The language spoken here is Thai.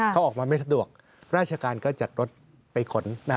เขาออกมาไม่สะดวกราชการก็จัดรถไปขน